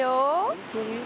本当に？